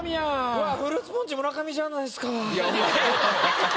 うわフルーツポンチ・村上じゃないですか。